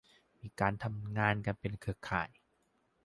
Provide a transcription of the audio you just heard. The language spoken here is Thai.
มีการทำงานกันเป็นเครือข่าย